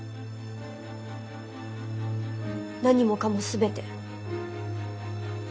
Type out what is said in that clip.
何もかも全て。